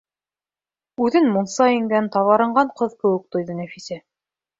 Үҙен мунса ингән, таҙарынған ҡыҙ кеүек тойҙо Нәфисә.